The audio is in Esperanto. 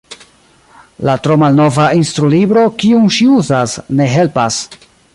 La tromalnova instrulibro, kiun ŝi uzas, ne helpas.